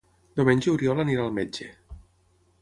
Diumenge n'Oriol anirà al metge.